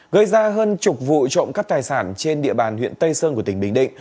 gây ra hơn chục vụ trộm cắp tài sản trên địa bàn huyện tây sơn của tỉnh bình định